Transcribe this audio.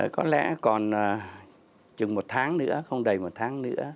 có lẽ còn chừng một tháng nữa không đầy một tháng nữa